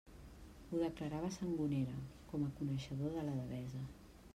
Ho declarava Sangonera, com a coneixedor de la Devesa.